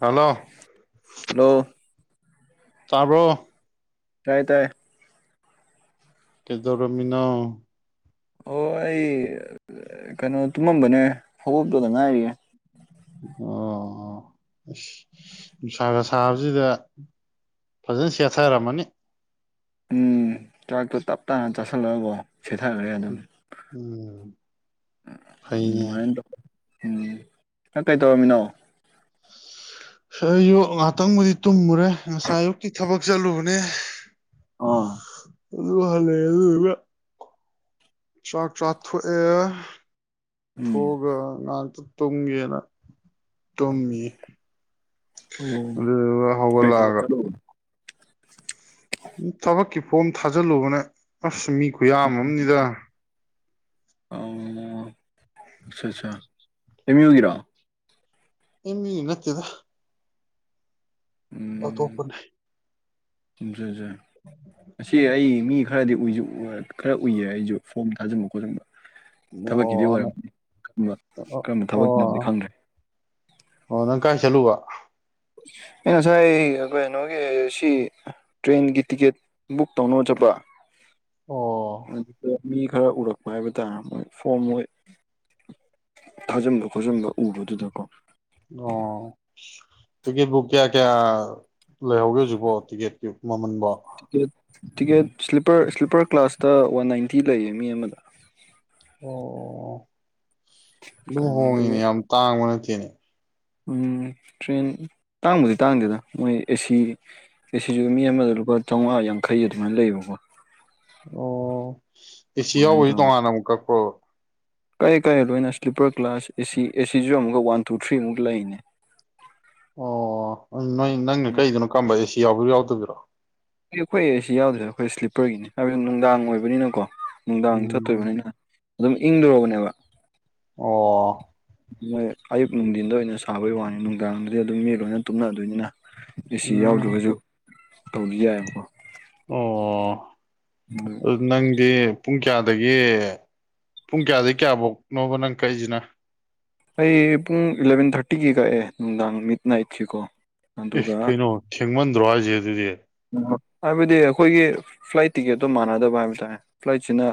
hello hello ꯇꯥꯕ꯭ꯔꯣ ꯇꯥꯏ ꯇꯥꯏ ꯀꯦꯗꯧꯔꯝꯃꯤꯅꯣ ꯑꯣ ꯑꯩ ꯀꯩꯅꯣ ꯇꯨꯝꯃꯝꯕꯅꯦ ꯍꯧꯒꯠꯄꯗ ꯉꯥꯏꯔꯤꯌꯦ ꯑꯣ ꯑꯁ ꯅꯨꯡꯁꯥꯒ ꯁꯥꯕꯁꯤꯗ ꯐꯖꯅ ꯁꯦꯊ ꯔꯝꯃꯅꯤ ꯎꯝ ꯆꯥꯛꯇꯨ ꯇꯞ ꯇꯥꯅ ꯆꯥꯁꯤꯜꯂꯒꯀꯣ ꯁꯦꯊꯒꯔꯦ ꯑꯗꯨꯝ ꯎꯝ ꯐꯩꯅꯦ ꯑꯗꯨꯃꯥꯏꯅ ꯇꯧ ꯎꯝ ꯅ ꯀꯩ ꯇꯧꯔꯝꯃꯤꯅꯣ ꯑꯟꯑꯣꯗꯤꯕꯜ ꯑꯌꯨꯛ ꯉꯍꯥꯛꯇꯪꯕꯨꯗꯤ ꯇꯨꯝꯃꯨꯔꯦ ꯉꯁꯥꯏ ꯑꯌꯨꯛꯇꯤ ꯊꯕꯛ ꯆꯠꯂꯨꯕꯅꯦ ꯑꯥ ꯑꯗꯨ ꯆꯥꯛ ꯆꯥꯛ ꯊꯣꯛꯑꯦ ꯎꯝ ꯊꯒ ꯉ ꯇꯣꯡꯒꯦꯅ ꯇꯨꯝꯃꯤ ꯑꯣ ꯑꯗꯨꯗ ꯀꯩ ꯊꯕꯛ ꯍꯒꯂꯑꯒ [unintelligible] ꯊꯕꯛꯀꯤ ꯐꯣꯝ ꯊꯥꯖꯤꯜꯂꯨꯕꯅ ꯑꯁ ꯃꯤ ꯈꯨꯌꯥꯝ ꯑꯝꯗ ꯑ ꯑꯆꯥ ꯑꯆꯥ ꯑꯦꯝ ꯌ ꯑꯣꯏꯒꯤꯔꯣꯑꯣ ꯑꯦꯃꯤ ꯅꯠꯇꯗ ꯑꯇꯣꯞꯄꯅꯤ ꯁꯦ ꯑꯁꯤ ꯑꯩ ꯃꯤ ꯈꯔꯗꯤ ꯎꯏꯁꯨ ꯈꯔ ꯎꯏꯌꯦ ꯑꯩꯁꯨ ꯐꯣꯝ ꯊꯥꯖꯤꯟꯕ ꯈꯣꯠꯆꯟꯕ ꯊꯕꯛꯀꯤꯗꯤ ꯑꯣ ꯑꯣꯏꯔꯝꯅꯤ ꯀꯔꯝꯕ ꯑꯣ ꯊꯕꯛꯀꯤꯅꯣꯝꯗꯤ ꯈꯪꯗ꯭ꯔꯦ ꯑꯣ ꯅꯪ ꯀꯥꯏ ꯆꯂꯨꯕ ꯑꯩ ꯉꯁꯥꯏ ꯀꯩꯅꯣꯒꯤ ꯁꯤ ꯇ꯭ꯔꯦꯟꯒꯤ ꯇꯤꯀꯦꯠ ꯕꯨꯛ ꯇꯧꯅꯕ ꯆꯠꯄ ꯑꯣ ꯑꯗꯨ ꯃꯤ ꯈꯔ ꯎꯔꯛꯄ ꯍꯥꯏꯕ ꯇꯥꯔꯦ ꯃꯣꯏ ꯐꯣꯝ ꯃꯣꯏ ꯊꯥꯖꯕ ꯈꯣꯠꯆꯕ ꯎꯕꯗꯨꯗꯀꯣ ꯇꯤꯛꯀꯦꯠ ꯕꯨꯛ ꯀꯌꯥ ꯀꯌꯥ ꯂꯩꯍꯧꯒꯦ ꯍꯧꯖꯤꯛꯐꯣ ꯇꯤꯛꯀꯦꯠꯀꯤ ꯃꯃꯟꯕꯣ ꯇꯤꯀꯦꯠꯄꯔ ꯏꯁ꯭ꯂꯤꯞꯄꯔ ꯀ꯭ꯂꯥꯁꯇ ꯋꯥꯟ ꯅꯥꯏꯟꯇꯤ ꯂꯩꯌꯦ ꯃꯤ ꯑꯃꯗ ꯑꯣ ꯑꯗꯨꯝ ꯍꯣꯡꯉꯤꯅꯦ ꯀꯩꯅꯣꯗꯒꯤ ꯌꯥꯝ ꯇꯥꯡꯕ ꯅꯠꯇꯦꯅꯦ ꯎꯝ ꯇ꯭ꯔꯦꯟ ꯇꯥꯡꯕꯨꯗꯤ ꯇꯥꯡꯗꯦꯗ ꯃꯣꯏ ꯑꯦꯁꯤ ꯑꯦꯁꯤꯁꯨꯒ ꯃꯤ ꯑꯃꯗ ꯂꯨꯄꯥ ꯆꯥꯝꯃꯉꯥ ꯌꯥꯡꯈꯩ ꯑꯗꯨꯃꯥꯏꯅ ꯂꯩꯌꯦꯕꯀꯣ ꯑꯣ ꯁꯤꯁꯤꯌꯥ ꯑꯗꯨꯃꯥꯏꯅ ꯑꯣꯏ ꯇꯧꯔ ꯇꯣꯡꯉꯅ ꯑꯃꯨꯛꯀ ꯀꯥꯏ ꯀꯥꯏ ꯂꯣꯏꯅ ꯁ꯭ꯂꯤꯄꯔ ꯀ꯭ꯂꯒ꯭ꯂꯥꯁ ꯑꯦꯁꯤ ꯑꯦꯁꯤꯁꯨ ꯑꯃꯨꯛꯀ ꯋꯥꯟ ꯇꯨ ꯊ꯭ꯔꯤ ꯑꯃꯨꯛ ꯂꯩꯅꯤ ꯑꯣ ꯅꯣꯏ ꯅꯪꯅ ꯀꯩꯒꯤꯅꯣ ꯀꯝꯕ ꯑꯦꯁꯤ ꯌꯥꯎꯕꯤꯔꯣ ꯌꯥꯎꯗꯕꯤꯔꯣ ꯑꯩ ꯑꯩꯈꯣꯏ ꯑꯩꯁꯤ ꯌꯥꯎꯗ꯭ꯔꯦ ꯑꯩꯈꯣꯏ ꯁ꯭ꯂꯤꯞꯄꯔꯒꯤꯅꯤ ꯍꯥꯏꯕ ꯅꯨꯡꯗꯥꯡ ꯑꯣꯏꯕꯅꯤꯅꯀꯣ ꯅꯨꯡꯗꯥꯡ ꯎꯝ ꯆꯠꯇꯣꯔꯤꯕꯅꯤꯅ ꯑꯗꯨꯝ ꯏꯪꯗꯔꯕꯅꯦꯕ ꯑꯣ ꯃꯣꯏ ꯑꯌꯨꯛ ꯅꯨꯡꯊꯤꯟꯗ ꯑꯣꯏꯅ ꯁꯥꯕꯩ ꯋꯥꯅꯤ ꯅꯨꯡꯗꯥꯡꯗꯗꯤ ꯑꯗꯨꯝ ꯃꯤ ꯂꯣꯏꯅ ꯇꯨꯝꯅꯗꯣꯏꯅꯤꯅ ꯑꯦ ꯁꯤ ꯎꯝ ꯌꯥꯎꯗ꯭ꯔꯒꯁꯨ ꯇꯧꯕꯗꯤ ꯌꯥꯏꯑꯕꯀꯣ ꯑꯣ ꯑꯗꯨ ꯅꯪꯒꯤ ꯄꯨꯡ ꯀꯌꯥꯗꯒꯤ ꯄꯨꯡ ꯀꯌꯥꯗꯒꯤ ꯀꯌꯥꯐꯧꯅꯣꯕ ꯅꯪ ꯀꯛꯁꯤꯅ ꯑꯩ ꯄꯨꯡ ꯏꯂꯚꯦꯟ ꯊꯥꯔꯇꯤꯒꯤ ꯀꯛꯑꯦ ꯅꯨꯡꯗꯥꯡ ꯃꯤꯠ ꯅꯥꯏꯠꯀꯤꯀꯣ ꯑꯦ ꯑꯗꯨꯒ ꯀꯩꯅꯣ ꯊꯦꯡꯃꯟꯗ꯭ꯔꯋꯥꯖꯦ ꯑꯗꯨꯗꯤ ꯍꯥꯏꯕꯗꯤ ꯑꯩꯈꯣꯏꯒꯤ ꯐ꯭ꯂꯥꯏꯠ ꯇꯤꯛꯀꯦꯠꯇꯣ ꯃꯥꯟꯅꯗꯕ ꯍꯥꯏꯕ ꯇꯥꯔꯦ ꯐ꯭ꯂꯥꯏꯠꯁꯤꯅ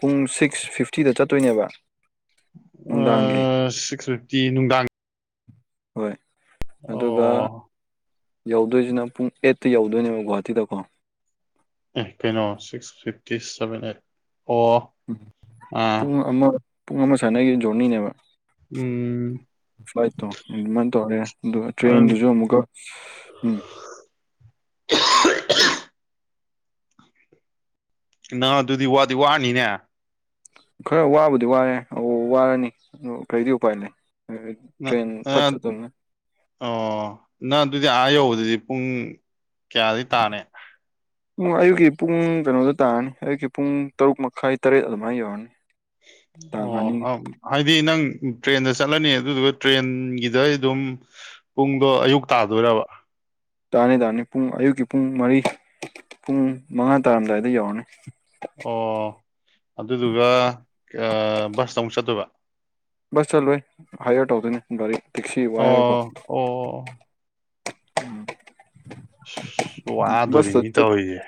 ꯄꯨꯡ ꯁꯤꯛꯁ ꯐꯤ ꯐꯤꯐꯇꯤꯗ ꯆꯠꯇꯣꯏꯅꯦꯕ ꯅꯨꯡꯗꯥꯡꯒꯤ ꯁꯤꯛꯁ ꯐꯤꯞꯇꯤ ꯅꯨꯡꯗꯥꯡ ꯍꯣꯏ ꯑꯗꯨꯒ ꯑꯣ ꯌꯧꯗꯣꯏꯁꯤꯅ ꯄꯨꯡ ꯑꯩꯠꯇ ꯌꯧꯗꯣꯏꯅꯦꯕ ꯒꯨꯍꯥꯇꯤꯗꯀꯣ ꯑꯦ ꯀꯩꯅꯣ ꯁꯤꯛꯁ ꯐꯤꯞꯇꯤ ꯁꯚꯦꯟ ꯑꯩꯠ ꯑꯣ ꯑ ꯄꯨꯡ ꯑꯃ ꯄꯨꯡ ꯑꯃ ꯁꯥꯟꯅꯒꯤ ꯖꯣꯔꯅꯤꯅꯦꯕ ꯎꯝ ꯐ꯭ꯂꯥꯏꯠꯇꯣ ꯑꯗꯨꯃꯥꯏꯅ ꯇꯧꯔꯦ ꯑꯗꯨꯒ ꯇ꯭ꯔꯦꯟꯗꯨꯁꯨ ꯑꯃꯨꯛꯀ ꯎꯝ [unintelligible] ꯅꯪ ꯑꯗꯨꯗꯤ ꯋꯥꯗꯤ ꯋꯥꯅꯤꯅꯦ ꯈꯔ ꯋꯥꯕꯨꯗꯤ ꯋꯥꯔꯦ ꯋꯥꯔꯅꯤ ꯀꯔꯤꯗꯤ ꯎꯄꯥꯏ ꯂꯩ ꯅꯪ ꯇ꯭ꯔꯦꯟ ꯄꯊ ꯅꯪ ꯇꯅ ꯑꯣ ꯅꯪ ꯑꯗꯨꯗꯤ ꯑꯥ ꯌꯧꯕꯗꯗꯤ ꯄꯨꯡ ꯀꯌꯥꯗꯒꯤꯩ ꯇꯥꯅꯤ ꯑꯌꯨꯛꯀꯤ ꯄꯨꯡ ꯀꯩꯅꯣꯗ ꯇꯥꯔꯅꯤ ꯑꯌꯨꯛꯀꯤ ꯄꯨꯡ ꯇꯔꯨꯛ ꯃꯈꯥꯏ ꯇꯔꯦꯠ ꯑꯗꯨꯃꯥꯏꯅ ꯌꯧꯔꯅꯤ ꯇꯥꯡ ꯑꯅꯤ ꯑꯣ ꯍꯥꯏꯗꯤ ꯅꯪ ꯇ꯭ꯔꯦꯟꯗ ꯆꯠꯂꯅꯤ ꯑꯗꯨꯗꯨꯒ ꯇ꯭ꯔꯦꯟꯒꯤꯗ ꯑꯗꯨꯝ ꯄꯨꯡꯗꯣ ꯑꯌꯨꯛ ꯇꯥꯗꯣꯏꯔꯕ ꯇꯥꯅꯤ ꯇꯥꯅꯤ ꯄꯨꯡ ꯑꯌꯨꯛꯀꯤ ꯄꯨꯡ ꯃꯔꯤ ꯄꯨꯡ ꯃꯉꯥ ꯇꯥꯔꯝꯗꯥꯏꯗ ꯌꯧꯔꯅꯤ ꯑꯣ ꯑꯗꯨꯗꯨꯒ ꯕꯁꯇ ꯑꯃꯨꯛ ꯆꯠꯇꯣꯏꯕ ꯕꯁ ꯆꯠꯂꯣꯏ ꯍꯥꯏꯌꯔ ꯇꯧꯗꯣꯏꯅꯤ ꯒꯥꯔꯤ ꯇꯦꯛꯁꯤ ꯋꯥꯏꯔꯦꯀꯣ ꯑꯣ ꯑꯣ ꯎꯝ ꯋꯥꯗꯣꯔꯤꯃꯤ ꯇ ꯑꯣꯏꯣꯏꯁꯦ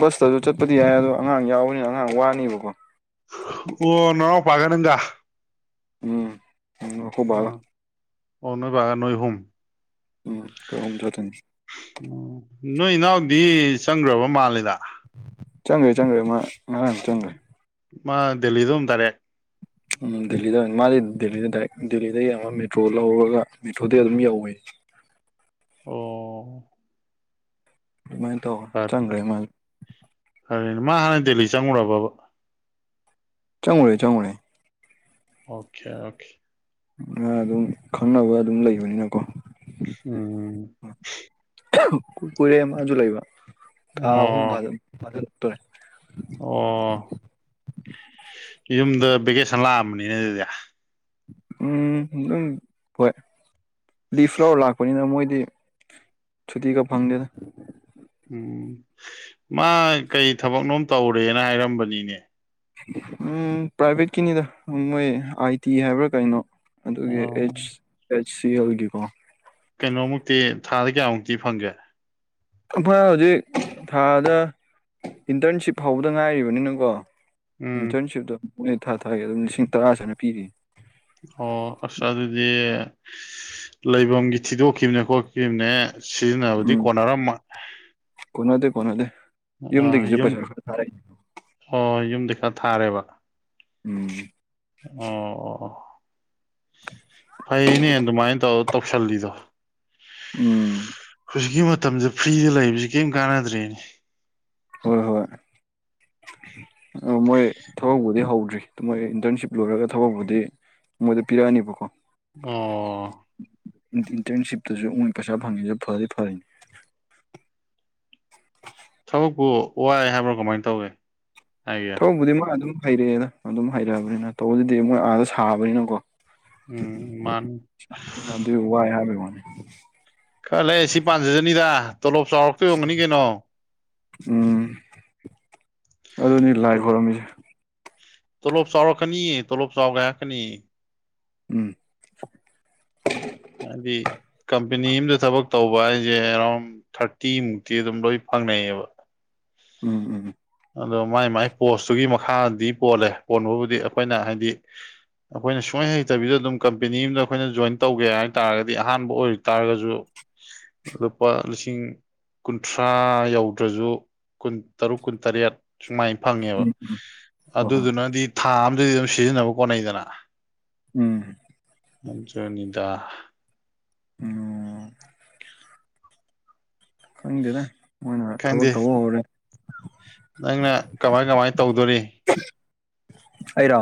ꯕꯁꯇꯁꯨ ꯆꯠꯄꯗꯤ ꯌꯥꯏ ꯑꯗꯣ ꯑꯉꯥꯡ ꯌꯥꯎꯕꯅꯤꯅ ꯑꯉꯥꯡ ꯋꯥꯅꯤꯕꯀꯣ ꯑꯣ ꯅꯔ ꯄꯥꯒ ꯅꯪꯒ ꯎꯝ ꯎꯝ ꯑꯩꯈꯣꯏ ꯕꯥꯒ ꯑ ꯑꯣ ꯅꯣꯏ ꯒ ꯅꯣꯏ ꯍꯨꯨꯝ ꯎꯝ ꯀꯝꯗ ꯑꯗꯨꯅꯤ ꯑꯣ ꯅꯣꯏ ꯏꯅꯥꯎꯗꯤ ꯆꯪꯈ꯭ꯔꯕ ꯃꯥꯜꯂꯦꯗ ꯆꯪꯒꯦ ꯆꯪꯒꯦ ꯉꯔꯥꯡ ꯆꯪꯒ꯭ꯔꯦ ꯃꯥ ꯗꯦꯜꯂꯤꯗ ꯎꯝ ꯇꯥꯔꯦ ꯗꯦꯜꯂꯤꯗ ꯑꯣꯏꯅ ꯃꯥꯗꯤ ꯗꯦꯜꯂꯤꯗ ꯗꯥꯏꯔꯦꯛ ꯗꯦꯜꯂꯤꯗꯡꯒ ꯃꯦꯇ꯭ꯔꯣ ꯂꯧꯔꯒ ꯃꯦꯇ꯭ꯔꯣꯗꯤ ꯑꯗꯨꯝ ꯌꯧꯋꯦ ꯑꯣ ꯑꯗꯨꯃꯥꯏꯅ ꯇꯧ ꯐꯔꯦ ꯆꯪꯈ꯭ꯔꯦ ꯃꯥꯜ ꯐꯔꯦꯅꯦ ꯃꯥ ꯍꯥꯟꯅ ꯗꯦꯜꯂꯤ ꯆꯪꯉꯨꯔꯕꯕ ꯆꯪꯉꯨꯔꯦ ꯆꯥꯡꯉꯨꯔꯦ ꯑꯣꯀꯦ ꯑꯣꯀꯦ ꯑꯗꯨꯝ ꯈꯪꯅꯕ ꯑꯗꯨꯝ ꯂꯩꯕꯅꯤꯅꯀꯣ ꯎꯝ ꯀꯨꯏꯔꯩ ꯑꯃꯁꯁꯨ ꯂꯩꯕ ꯊꯥ ꯑꯍꯨꯝ ꯐꯥ ꯑꯣ ꯐꯥꯜꯂꯛꯇꯣꯔꯦ ꯑꯣ ꯌꯨꯝꯗ ꯚꯦꯀꯦꯁꯟ ꯂꯥꯛꯑꯝꯕꯅꯤꯅ ꯑꯗꯨꯗꯤ ꯎꯝ ꯑꯗꯨꯝ ꯍꯣꯏ ꯂꯤ ꯐ꯭ꯂꯋꯔ ꯂꯥꯛꯄꯅꯤꯅ ꯃꯣꯏꯗꯤ ꯆꯨꯇꯤꯒ ꯐꯪꯗꯦꯗ ꯎꯝ ꯃꯥ ꯀꯔꯤ ꯊꯕꯛꯅꯣꯝ ꯇꯧꯔꯦꯅ ꯍꯥꯏꯔꯝꯕꯅꯤꯅꯦ ꯎꯝ ꯄ꯭ꯔꯥꯏꯚꯦꯠꯀꯤꯅꯤꯗ ꯃꯣꯏ ꯑꯥꯏ ꯇꯤ ꯍꯥꯏꯕ꯭ꯔꯥ ꯀꯩꯅꯣ ꯑꯗꯨꯒꯤ ꯑꯣ ꯑꯩꯆ ꯑꯩꯆ ꯁꯤ ꯑꯦꯜꯒꯤꯀꯣ ꯀꯩꯅꯣꯃꯨꯛꯇꯤ ꯊꯥꯗ ꯀꯌꯥꯃꯨꯛꯇꯤ ꯐꯪꯒꯦ ꯑ ꯍꯧꯖꯤꯛ ꯊꯥꯗ ꯏꯟꯇꯔꯟꯁꯤꯞ ꯐꯥꯎꯧꯕꯗ ꯉꯥꯏꯔꯤꯕꯅꯤꯅꯀꯣ ꯎꯝ ꯏꯟꯇꯔꯟꯁꯤꯞꯇꯣ ꯃ ꯊꯥ ꯊꯥꯒꯤ ꯑꯗꯨꯝ ꯂꯤꯁꯤꯡ ꯇꯔꯥꯁꯨꯅ ꯄꯤꯔꯤ ꯑꯣ ꯑꯁ ꯑꯗꯨꯗꯤ ꯂꯩꯐꯝꯒꯤ ꯊꯤꯗꯣꯛꯈꯤꯕꯅꯦ ꯈꯣꯠꯈꯤꯕꯅꯦ ꯁꯤꯖꯤꯟꯅꯕꯗꯤ ꯎꯝ ꯀꯣꯟꯅꯔꯝꯝꯕ ꯀꯣꯟꯅꯗꯦ ꯀꯣꯟꯅꯗꯦ ꯌꯨꯝꯗꯒꯤꯁꯨ ꯄꯩꯁꯥ ꯈꯔ ꯊꯥꯔꯛꯏꯅꯦ ꯄꯩ ꯊꯥꯔꯦꯕ ꯎꯝ ꯑꯣ ꯐꯥꯏꯅꯦ ꯑꯗꯨꯃꯥꯏ ꯇꯥꯎ ꯇꯣꯛꯁꯜꯂꯤꯗꯣ ꯎꯝ ꯍꯧꯖꯤꯛꯀꯤ ꯃꯇꯝꯁ ꯐ꯭ꯔꯤꯗ ꯂꯩꯕꯁꯤ ꯀꯔꯤꯝ ꯀꯥꯟꯅꯗ꯭ꯔꯦꯅꯦ ꯍꯣꯏ ꯍꯣꯏ ꯑ ꯃꯣꯏ ꯊꯕꯛꯄꯨꯗꯤ ꯍꯧꯗ꯭ꯔꯤ ꯃꯣꯏ ꯏꯟꯇꯔꯟꯁꯤꯞ ꯂꯣꯏꯔꯒ ꯊꯕꯛꯄꯨꯗꯤ ꯃꯣꯏꯗ ꯄꯤꯔꯛꯑꯅꯤꯕꯀꯣ ꯑꯣ ꯏꯟꯇꯔꯟꯁꯤꯞꯇꯁꯨ ꯑꯩꯣꯏ ꯄꯩꯁꯥ ꯐꯪꯉꯤꯁꯦ ꯐꯔꯦ ꯐꯔꯅꯤ ꯊꯕꯛꯄꯨ ꯋꯥꯏ ꯍꯥꯏꯕ꯭ꯔꯥ ꯀꯃꯥꯏꯅ ꯇꯧꯒꯦ ꯍꯥꯏꯒꯦ ꯊꯧꯕꯨꯗꯤ ꯃꯥ ꯑꯗꯨꯝ ꯍꯩꯔꯛꯑꯦꯗ ꯑꯗꯨꯝ ꯍꯩꯔꯛꯑꯕꯅꯤꯅ ꯇꯧꯕꯗꯨꯗꯤ ꯃꯣꯏ ꯑꯥꯗ ꯁꯥꯕꯅꯤꯅꯀꯣ ꯎꯝ ꯃꯥꯅꯤ ꯑꯗꯨ ꯋꯥꯏ ꯍꯥꯏꯕ ꯋꯥꯅꯤ ꯈꯜꯂꯦ ꯁꯤ ꯄꯥꯟꯖꯗꯅꯤꯗ ꯇꯣꯂꯣꯞ ꯆꯥꯎꯔꯛꯇ ꯌꯣꯟꯒꯅꯤ ꯀꯩꯅꯣ ꯎꯝ ꯑꯗꯨꯅꯤ ꯂꯥꯏ ꯇꯣ ꯈꯣꯏꯔꯝꯃꯤꯁꯦ ꯇꯣꯂꯣꯞ ꯆꯥꯎꯔ ꯀꯅꯤ ꯇꯣꯂꯣꯞ ꯆꯥꯎꯒ ꯀꯅꯤ ꯎꯝ ꯍꯥꯏꯗꯤ ꯀꯝꯄꯦꯅꯤ ꯑꯃꯝꯗ ꯊꯕꯛ ꯇꯧꯕ ꯍꯥꯏꯁꯦ ꯑꯦꯔꯥꯎꯟ ꯊꯥꯔꯇꯤ ꯃꯨꯛꯇꯤ ꯑꯗꯨꯝ ꯂꯣꯏ ꯐꯪ ꯐꯪꯅꯌꯦꯑꯕ ꯎꯝ ꯎꯝ ꯑꯗꯣ ꯃꯥꯏ ꯃꯥꯏ ꯄꯣꯁꯇꯨꯒꯤ ꯃꯈꯥꯗꯤ ꯄꯣꯜꯂꯦ ꯄꯣꯟꯕꯕꯨꯗꯤ ꯑꯩꯈꯣꯏꯅ ꯍꯥꯏꯗꯤ ꯑꯩꯈꯣꯏꯅ ꯁꯨꯡꯃꯥꯏꯅ ꯍꯩꯇꯕꯤꯗ ꯑꯗꯨꯝ ꯀꯝꯄꯦꯅꯤ ꯑ ꯑꯃꯗ ꯑꯩꯈꯣꯏꯅ ꯖꯣꯏꯟ ꯇꯧꯒꯦ ꯍꯥꯏ ꯇꯥꯔꯒꯗꯤ ꯑꯍꯥꯟꯕ ꯑꯣꯏꯛ ꯇꯥꯔꯒꯁꯨ ꯂꯨꯄꯥ ꯂꯤꯁꯤꯡ ꯀꯨꯟꯊ꯭ꯔꯥ ꯌꯧꯗ꯭ꯔꯁꯨ ꯀꯨꯟ ꯇꯔꯨꯛ ꯀꯨꯟ ꯇꯔꯦꯠ ꯁꯨꯃꯥꯏꯅ ꯐꯪꯉꯦꯕ ꯎꯝ ꯍꯣꯏ ꯍꯣꯏ ꯑꯗꯨꯗꯨꯅꯗꯤ ꯊꯥ ꯑꯗꯗꯤ ꯑꯗꯨ ꯁꯤꯖꯤꯟꯅꯕ ꯀꯣꯠꯅꯩꯗꯅ ꯎꯝ ꯑꯗꯨꯅꯤꯗ ꯑꯣ ꯈꯪꯗꯦꯗ ꯃꯣꯏꯅ ꯊꯕꯛ ꯈꯪꯗꯦ ꯇꯧꯕ ꯍꯧꯔꯦ ꯅꯪꯅ ꯀꯃꯥꯏ ꯀꯃꯥꯏ ꯇꯧꯗꯣꯔꯤ ꯑꯩꯔ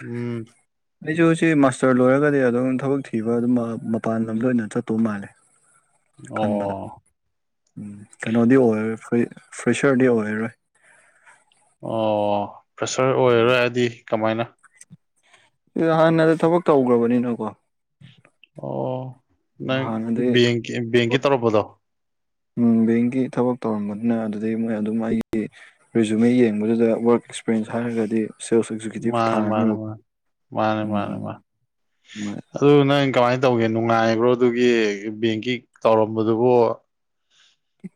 ꯎꯝ ꯑꯩꯁꯨ ꯁꯤ ꯃꯥꯁꯇꯔ ꯂꯣꯏꯔꯒꯗꯤ ꯑꯗꯨꯝ ꯊꯕꯛ ꯊꯤꯕ ꯑꯗꯨꯝ ꯃꯄꯥꯟ ꯂꯝꯗ ꯑꯣꯏꯅ ꯆꯠꯇꯧ ꯃꯥꯜꯂꯦ ꯑꯣ ꯈꯟꯕꯗ ꯎꯝ ꯀꯩꯅꯣꯗꯤ ꯑꯣꯏꯔ ꯐ ꯐ꯭ꯔꯦꯁꯔꯗꯤ ꯑꯣꯏꯔꯣꯏ ꯑꯣ ꯄ꯭ꯔꯦꯁꯔ ꯑꯣꯏꯔꯔꯣꯏꯗꯤ ꯀꯃꯥꯏꯅ ꯁꯤ ꯍꯥꯟꯅꯗꯤ ꯊꯕꯛ ꯇꯧꯈ꯭ꯔꯕꯅꯤꯅꯀꯣ ꯑꯣ ꯅꯪ ꯍꯥꯟꯅꯗꯤ ꯕꯦꯡꯀꯤ ꯕꯦꯡꯀꯤ ꯇꯧꯔꯛꯄꯗꯣ ꯎ ꯕꯦꯡꯒꯤ ꯊꯕꯛ ꯇꯧꯔꯝꯕꯗꯨꯅ ꯑꯗꯨꯩ ꯃꯣꯏ ꯑꯗꯨꯝ ꯑꯩꯒꯤ ꯔꯤꯖꯨꯃꯦ ꯌꯦꯡꯕꯗꯨꯗ ꯋꯥꯔꯛ ꯑꯦꯛꯁꯄꯔꯟꯁ ꯍꯥꯏꯔꯒꯗꯤ ꯁꯦꯜꯁ ꯑꯦꯛꯖꯤꯀ꯭ꯌꯨꯇꯤꯞ ꯊꯥ ꯃꯥꯅꯦ ꯃꯥꯅꯦ ꯑꯅꯤꯃꯨꯛ ꯃꯥꯅꯦ ꯃꯥꯅꯦ ꯎꯝ ꯃꯥꯅꯦ ꯎ ꯃꯥꯅꯦ ꯑꯗꯨ ꯅꯪ ꯏ ꯀꯃꯥꯏ ꯇꯧꯒꯦ ꯅꯨꯡꯉꯥꯏꯕ꯭ꯔꯣ ꯑꯗꯨꯒꯤ ꯕꯦꯡꯀꯤ ꯇꯧꯔꯝꯕꯗꯨꯕꯨ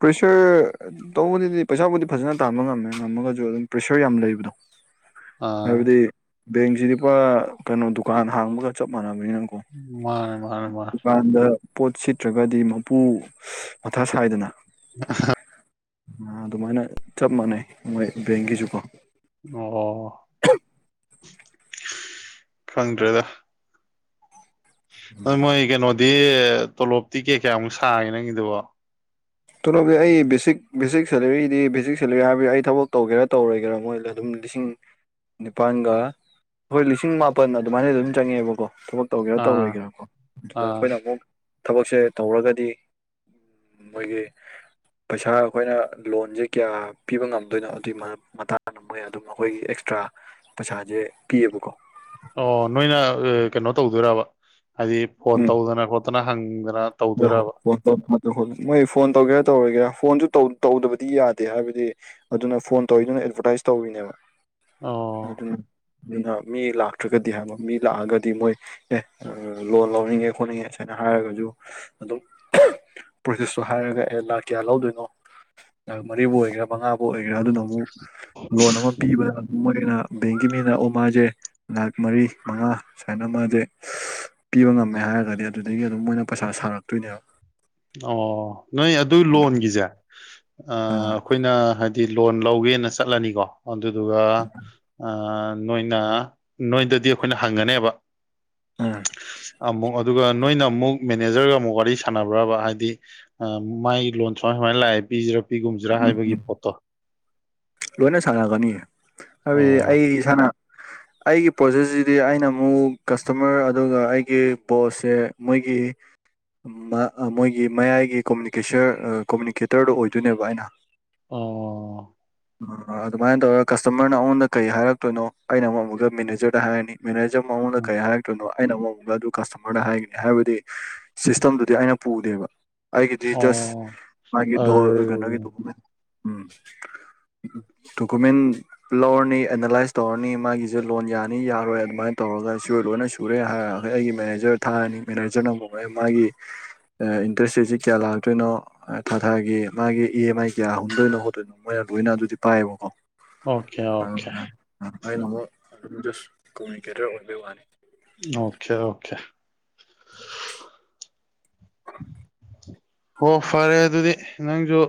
ꯄ꯭ꯔꯦꯁꯔ ꯇꯧꯕꯗꯗꯤ ꯄꯩꯁꯥꯕꯨꯗꯤ ꯐꯖꯅ ꯇꯥꯟꯕ ꯉꯝꯃꯦ ꯉꯝꯃꯒꯁꯨ ꯑꯗꯨꯝ ꯄ꯭ꯔꯦꯁꯔ ꯌꯥꯝ ꯂꯩꯕꯗꯣ ꯑꯥ ꯍꯥꯏꯕꯗꯤ ꯕꯦꯡꯁꯤꯗꯤ ꯄꯨꯔ ꯀꯩꯅꯣ ꯗꯨꯀꯥꯟ ꯍꯥꯡꯕꯒ ꯆꯞ ꯃꯥꯟꯅꯕ ꯃꯥꯅꯦ ꯃꯥꯅꯦ ꯃꯥꯅꯦ ꯅꯀꯣꯗꯨꯀꯥꯟꯗ ꯄꯣꯠ ꯁꯤꯠꯇ꯭ꯔꯒꯗꯤ ꯃꯄꯨ ꯃꯊꯥ ꯁꯥꯏꯗꯅ ꯑ ꯑꯗꯨꯃꯥꯏꯅ ꯆꯞ ꯃꯥꯟꯅꯩ ꯃꯣꯏ ꯕꯦꯡꯒꯤꯁꯨꯀꯣ ꯑꯣ ꯈꯪꯗ꯭ꯔꯦꯗ ꯑꯗꯨ ꯃꯣꯏ ꯀꯩꯅꯣꯗꯤ ꯇꯣꯂꯣꯞꯇꯤ ꯀꯩ ꯀꯌꯥꯃꯨꯛ ꯁꯥꯥꯡꯉꯦ ꯅꯪꯒꯤꯗꯨꯕꯣ ꯇꯣꯂꯣꯞꯗꯤ ꯑꯩ ꯕꯦꯁꯤꯛ ꯚꯦꯁꯤꯛ ꯁꯦꯂꯔꯤꯗꯤ ꯚꯦꯁꯤꯛ ꯁꯦꯂꯔꯤ ꯍꯥꯏꯕ ꯑꯩ ꯊꯕꯛ ꯇꯧꯒꯦꯔꯥ ꯇꯧꯔꯣꯏꯦꯔ ꯃꯣꯏꯗ ꯑꯗꯨꯝ ꯂꯤꯁꯤꯡ ꯅꯤꯄꯥꯜꯒ ꯑꯩꯈꯣꯏ ꯂꯤꯁꯤꯡ ꯃꯥꯄꯜ ꯑꯗꯨꯃꯥꯏꯅ ꯑꯗꯨꯝ ꯆꯪꯉꯦꯕꯀꯣ ꯊꯕꯛ ꯇꯧꯒꯦꯔꯥ ꯑꯥ ꯇꯧꯔꯣꯏꯒꯦꯔꯥꯀꯣ ꯑꯗꯨꯗ ꯑꯥ ꯑꯩꯈꯣꯏꯅ ꯑꯃꯨꯛ ꯊꯕꯛꯁꯦ ꯇꯧꯔꯒꯗꯤ ꯃꯣꯏꯒꯤ [unintelligible] ꯄꯩꯁꯥ ꯑꯩꯈꯣꯏꯅ ꯂꯣꯟꯁꯦ ꯀꯌꯥ ꯄꯤꯕ ꯉꯝꯗꯣꯏꯅꯣ ꯑꯗꯨꯒꯤ ꯃꯇꯥꯡꯗ ꯃꯣꯏ ꯑꯗꯨꯝ ꯑꯩꯈꯣꯏꯒꯤ ꯑꯦꯛꯁꯇ꯭ꯔꯥ ꯄꯩꯁꯥꯖꯦ ꯀꯤꯕꯨ ꯀꯣ ꯑꯣ ꯅꯣꯏꯅ ꯀꯩꯅꯣ ꯇꯧꯗꯣꯏꯔꯕ ꯍꯥꯏꯗꯤ ꯐꯣꯟ ꯎꯝ ꯇꯧꯗꯅ ꯈꯣꯠꯇꯅ ꯍꯪꯗꯅ ꯍꯣꯏ ꯇꯧꯗꯣꯏꯔꯕ ꯍꯣꯏ ꯐꯣꯟ ꯃꯣꯏ ꯐꯣꯟ ꯇꯧꯒꯦꯔꯥ ꯇꯧꯔꯒꯦꯔꯥ ꯐꯣꯟꯁꯨ ꯇꯧꯗꯕꯗꯤ ꯌꯥꯗꯦ ꯍꯥꯏꯕꯗꯤ ꯑꯗꯨꯅ ꯐꯣꯟ ꯇꯧꯋꯤꯗꯨꯅ ꯑꯦꯗꯚꯔꯇꯥꯏꯁ ꯇꯧꯔꯤꯅꯦꯕ ꯑꯣ ꯑꯗꯨꯅ ꯑꯗꯨꯅ ꯃꯤ ꯂꯥꯛꯇ꯭ꯔꯒꯗꯤ ꯍꯥꯏꯕ ꯃꯤ ꯂꯥꯛꯑꯒꯗꯤ ꯃꯣꯏ ꯑꯦ ꯂꯣꯟ ꯂꯧꯅꯤꯡꯉꯦ ꯈꯣꯠꯅꯤꯡꯉꯦ ꯁꯨꯃꯥꯏꯅ ꯍꯥꯏ ꯍꯥꯏꯔꯒꯁꯨ ꯑꯗꯨꯝ ꯄ꯭ꯔꯣꯁꯦꯁꯇꯣ ꯍꯥꯏꯔꯒ ꯑꯦ ꯂꯥꯛ ꯀꯌꯥ ꯂꯧꯗꯣꯏꯅꯣ ꯃꯔꯤꯕꯨ ꯑꯣꯏꯒꯦꯔꯥ ꯃꯉꯥꯕꯨ ꯑꯣꯏꯒꯦꯔꯥ ꯑꯗꯨꯅ ꯑꯃꯨꯛ ꯂꯣꯟ ꯑꯃ ꯄꯤꯕꯗ ꯑꯗꯨꯝ ꯃꯣꯏ ꯩꯅ ꯕꯦꯡꯒꯤ ꯃꯤꯅꯎ ꯃꯥꯁꯦ ꯂꯥꯛ ꯃꯔꯤ ꯃꯉꯥ ꯁꯨꯃꯥꯏꯅ ꯃꯥꯁꯦ ꯄꯤꯕ ꯉꯝꯃꯦ ꯍꯥꯏꯔꯒꯗꯤ ꯑꯗꯨꯗꯒꯤ ꯑꯗꯨꯝ ꯃꯣꯏꯅ ꯄꯩꯁꯥ ꯁꯥꯔꯛꯇꯣꯏꯅꯦꯕ ꯑꯣ ꯅꯣꯏ ꯑꯗꯨ ꯂꯣꯟꯒꯤꯁꯦ ꯑꯥ ꯑꯩꯈꯣꯏꯅ ꯍꯥꯏꯗꯤ ꯗꯤ ꯂꯣꯟ ꯂꯧꯒꯦꯅ ꯆꯠꯂꯅꯤꯀꯣ ꯑꯗꯨꯗꯨꯒ ꯅꯣꯏꯅ ꯅꯣꯏꯗꯗꯤ ꯑꯩꯈꯣꯏꯅ ꯍꯪꯒꯅꯦꯕ ꯎꯝ ꯑꯃꯨꯛ ꯑꯗꯨꯒ ꯅꯣꯏꯅ ꯃꯨꯛ ꯃꯦꯅꯦꯖꯔꯒ ꯑꯃꯨꯛ ꯋꯥꯔꯤ ꯁꯥꯟꯅ ꯕꯔꯥꯕ ꯍꯥꯏꯗꯤ ꯑ ꯃꯥꯏ ꯂꯣꯟ ꯁꯨꯃꯥꯏ ꯁꯨꯃꯥꯏ ꯂꯥꯛꯑꯦ ꯄꯤꯖꯤꯔꯥ ꯄꯤꯒꯨꯝꯖꯤꯔꯥ ꯎꯝ ꯍꯥꯏꯕꯒꯤ ꯎꯝ ꯄꯣꯠꯇꯣ ꯂꯣꯏꯅ ꯁꯥꯟꯅꯒꯅꯤꯌꯦ ꯍꯥꯏꯕꯗꯤ ꯑꯩ ꯑꯣ ꯏꯁꯥꯅ [unintelligible] ꯑꯩꯒꯤ ꯄ꯭ꯔꯣꯖꯦꯖꯤꯗꯤ ꯑꯩꯅ ꯃꯨꯛ ꯀꯁꯇꯃꯔ ꯑꯗꯨꯒ ꯑꯩꯒꯤ ꯄꯣꯁꯁꯦ ꯃꯣꯏꯒꯤ ꯃ ꯑ ꯃꯣꯏꯒꯤ ꯃꯌꯥꯏꯒꯤ ꯀꯣꯃꯨꯅꯤꯀꯦꯁꯔ ꯑ ꯀꯣꯃꯨꯅꯤꯀꯦꯇꯔꯗꯣ ꯑꯣꯏꯗꯣꯏꯅꯦꯕ ꯑꯩꯅ ꯑꯣ ꯑ ꯑꯗꯨꯃꯥꯏꯟ ꯇꯧꯔ ꯀꯁꯇꯃꯔꯅ ꯑꯩꯉꯣꯟꯗ ꯀꯩ ꯍꯥꯏꯔꯛꯇꯣꯏꯅꯣ ꯑꯩꯅ ꯑꯃꯨꯛ ꯑꯃꯨꯛꯀ ꯃꯦꯅꯦꯖꯔꯗ ꯍꯥꯏꯔꯅꯤ ꯃꯦꯅꯦꯖꯔ ꯃꯨꯛ ꯑꯩꯉꯣꯟꯗ ꯎꯝ ꯀꯩ ꯍꯥꯏꯔꯛꯇꯣꯏꯅꯣ ꯑꯩꯅ ꯑꯃꯨꯛ ꯑꯗꯨ ꯀꯁꯇꯃꯔꯗ ꯍꯥꯏꯒꯅꯤ ꯍꯥꯏꯕꯗꯤ ꯁꯤꯁꯇꯝꯗꯨꯗꯤ ꯑꯩꯅ ꯄꯨꯗꯦꯕ ꯑꯩꯒꯤꯗꯤ ꯖꯁ ꯑꯣ ꯃꯥꯒꯤꯗꯣ ꯀꯩꯅꯣꯒꯤ ꯑꯔ [inaudible] ꯎꯝ ꯗꯣꯀꯨꯃꯦꯟ ꯂꯧꯔꯅꯤ ꯑꯦꯅꯥꯂꯥꯏꯁ ꯇꯧꯔꯅꯤ ꯃꯥꯒꯤꯖꯦ ꯂꯣꯟ ꯌꯥꯅꯤ ꯌꯥꯔꯣꯏ ꯑꯗꯨꯃꯥꯏꯟ ꯇꯧ ꯔꯒ ꯁꯤ ꯂꯣꯏꯅ ꯁꯨꯔꯦ ꯍꯥꯏ ꯑꯩꯒꯤ ꯃꯦꯅꯦꯖꯔ ꯊꯥꯔꯅꯤ ꯃꯦꯅꯦꯖꯔꯅ ꯑꯃꯨꯛ ꯑꯦ ꯃꯥꯒꯤ ꯑ ꯏꯟ ꯏꯟꯇꯔꯦꯁ ꯔꯦꯠꯁꯤ ꯀꯌꯥ ꯂꯥꯛꯇꯣꯏꯅꯣ ꯊꯥ ꯊꯥꯒꯤ ꯃꯥꯒꯤ ꯏ ꯑꯦꯝ ꯑꯥꯏ ꯀꯌꯥ ꯍꯨꯟꯗꯣꯏꯅꯣ ꯈꯣꯠꯇꯣꯏꯅꯣ ꯃꯣꯏ ꯂꯣꯏꯅ ꯑꯗꯨ [unintelligible] ꯄꯥꯏꯌꯦꯕꯀꯣ ꯑꯣꯀꯦ ꯑꯣꯀꯦ ꯑꯗꯨꯗꯨꯅ ꯑꯩꯅ ꯃꯨꯛ ꯑꯗꯨꯝ ꯃꯁꯤ ꯀꯃꯨꯅꯤꯀꯦꯇꯔ ꯑꯣꯏꯕꯩ ꯋꯥꯅꯦ ꯑꯣꯈꯦ ꯑꯣꯈꯦ ꯍꯣ ꯐꯔꯦ ꯑꯗꯨꯗꯤ ꯅꯪꯖꯨ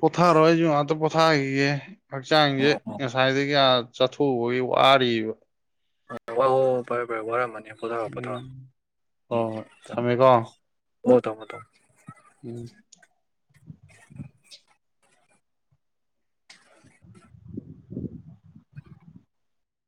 ꯄꯣꯊꯥꯔꯣ ꯑꯩꯖꯨ ꯉꯥꯛꯇ ꯄꯣꯊꯥꯒꯤꯒꯦ ꯍꯛꯆꯥꯡꯖꯦ ꯑꯣ ꯉꯁꯥꯏꯗꯒꯤ ꯑꯥ ꯆꯠꯊꯣꯛꯎꯕꯒꯤ ꯋꯥꯔꯤꯕ ꯍꯣ ꯐꯔꯦ ꯐꯔꯦ ꯋꯥꯔꯝꯃꯅꯤ ꯄꯣꯊꯥꯔꯣ ꯄꯣꯊꯥꯔꯣ ꯎꯝ ꯍꯣ ꯍꯣꯏ ꯊꯝꯃꯦꯀꯣ [unintelligible] ꯇꯧꯅꯣ ꯇꯧ ꯎꯝ